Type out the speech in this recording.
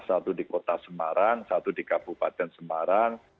satu di kota semarang satu di kabupaten semarang